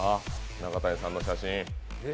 中谷さんの写真。